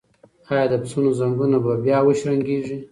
ایا د پسونو زنګونه به بیا وشرنګیږي؟